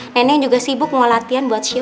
nenek juga sibuk mau latihan buat shift